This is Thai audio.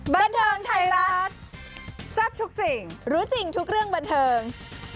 บันเทิงไทยรัฐแซ่บทุกสิ่งรู้จริงทุกเรื่องบันเทิง